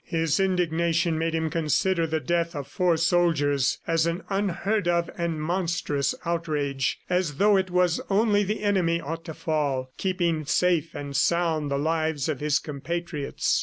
His indignation made him consider the death of four soldiers as an unheard of and monstrous outrage as though in was only the enemy ought to fall, keeping safe and sound the lives of his compatriots.